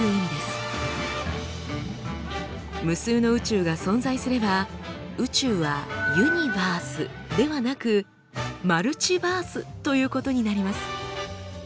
無数の宇宙が存在すれば宇宙は「ユニバース」ではなく「マルチバース」ということになります。